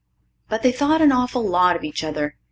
But they thought an awful lot of each other.